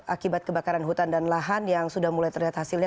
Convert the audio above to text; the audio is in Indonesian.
akibat kebakaran hutan dan lahan yang sudah mulai terlihat hasilnya